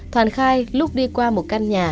thoàn khai lúc đi qua một căn nhà